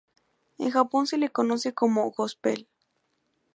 En Japón se le conoce como Gospel.